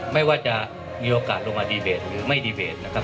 ไม่ว่าจะมีโอกาสลงมาดีเบตหรือไม่ดีเบตนะครับ